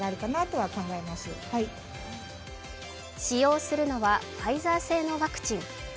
使用するのはファイザー製のワクチン。